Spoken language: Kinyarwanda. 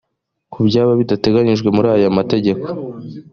kubyaba bidateganijwe muri aya mategeko